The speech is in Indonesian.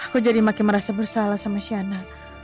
kok jadi makin merasa bersalah sama siana